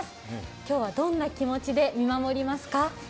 今日はどんな気持ちで見守りますか。